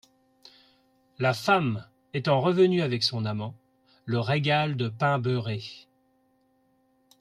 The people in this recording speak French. La femme, étant revenue avec son amant, le régale de pain beurré.